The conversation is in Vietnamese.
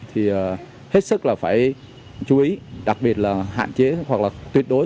thì hết sức là phải chú ý đặc biệt là hạn chế hoặc là tuyệt đối